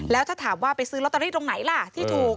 แล้วถ้าถามว่าไปซื้อลอตเตอรี่ตรงไหนล่ะที่ถูก